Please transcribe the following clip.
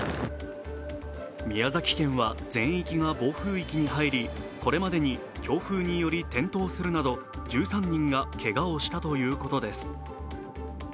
宮崎県は全域が暴風域に入りこれまでに強風により転倒するなど１３人がけがをしたということです。